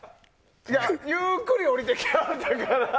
ゆっくり下りてきはったから。